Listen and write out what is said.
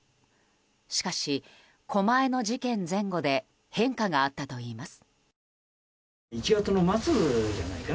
しかし、狛江の事件前後で変化があったといいます。